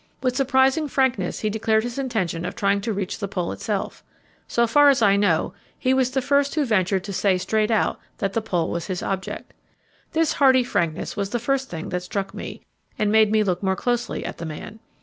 With surprising frankness he declared his intention of trying to reach the Pole itself. So far as I know, he was the first who ventured to say straight out that the Pole was his object. This hearty frankness was the first thing that struck me, and made me look more closely at the man.